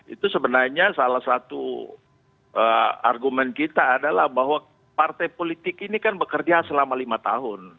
itu sebenarnya salah satu argumen kita adalah bahwa partai politik ini kan bekerja selama lima tahun